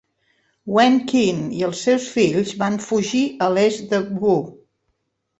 Wen Qin i els seus fills van fugir a l'est de Wu.